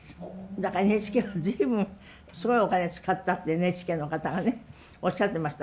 だからＮＨＫは随分すごいお金使ったってＮＨＫの方がねおっしゃってました。